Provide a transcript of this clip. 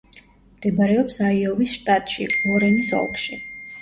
მდებარეობს აიოვის შტატში, უორენის ოლქში.